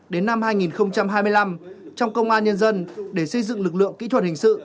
đến năm hai nghìn hai mươi năm trong công an nhân dân để xây dựng lực lượng kỹ thuật hình sự